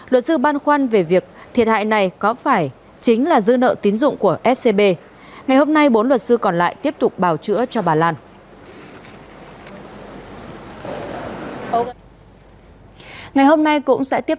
luật sư băn khoăn về việc thiệt hại này có phải chính là dư nợ tín xét